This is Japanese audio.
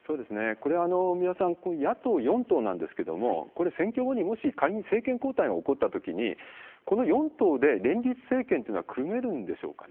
これ、三輪さん、野党４党なんですけれども、これ、選挙後にもし仮に政権交代が起こったときに、この４党で連立政権というのは組めるんでしょうかね？